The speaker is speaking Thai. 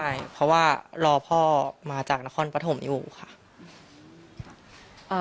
ใช่เพราะว่ารอพ่อมาจากนครปฐมอยู่ค่ะ